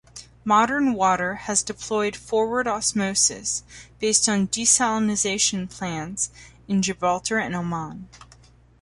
Modern Water has deployed forward osmosis based desalination plants in Gibraltar and Oman.